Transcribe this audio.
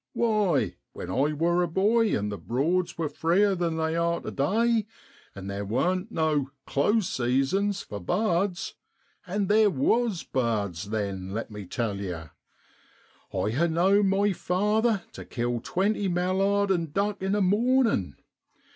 Why, when I wor a boy, and the Broads wor freer than they are tu day, and theer warn't no ' close seasons ' for bards and theer was bards then, let me tell yer, I ha' known my father tu kill twenty mallard an' duck in a mornin'.